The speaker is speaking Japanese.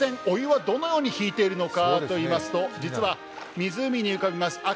お湯はどのように引いているのかといいますと実は湖に浮かびます